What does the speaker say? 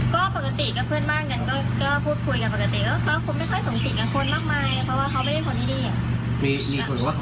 ก็ปกติกับเพื่อนบ้างกันก็พูดคุยกันปกติ